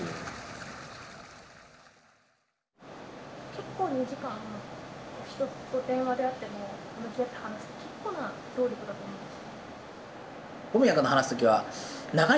結構２時間人と電話であっても向き合って話す結構な労力だと思うんです。